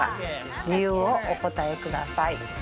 理由をお答えください。